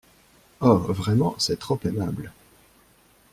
Oh! Vraiment, c’est trop aimable.